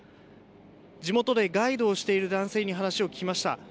地元でガイドをしている男性に話を聞きました。